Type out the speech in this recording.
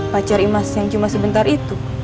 pacar imas yang cuma sebentar itu